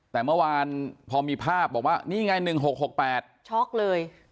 แต่เมื่อวานพอมีภาพบอกว่านี่ไง๑๖๖๘ช็อกเลย